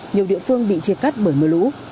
nhiều địa phương bị chia cắt bởi mưa lũ